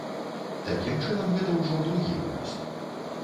Такім чынам гэта ўжо другі выпуск.